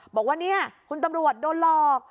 บอกว่าเนี่ยคุณตำรวจโดนหลอก